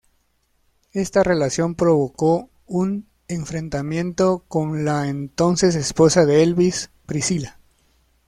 Esta relación provocó un enfrentamiento con la entonces esposa de Elvis, Priscilla.